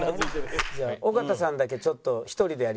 「じゃあ尾形さんだけちょっと１人でやりますね」。